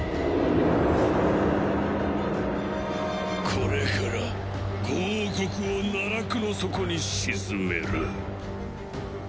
これから５王国を奈落の底に沈める。